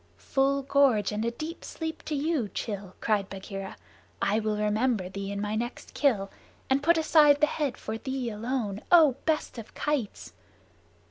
"Full gorge and a deep sleep to you, Rann," cried Bagheera. "I will remember thee in my next kill, and put aside the head for thee alone, O best of kites!"